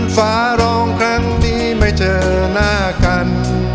ฟ้าร้องครั้งนี้ไม่เจอหน้ากัน